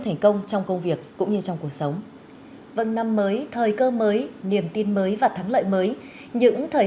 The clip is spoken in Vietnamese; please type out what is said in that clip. xin chào và hẹn gặp lại